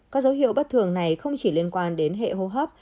các dấu hiệu bất thường này không chỉ liên quan đến hệ hô hấp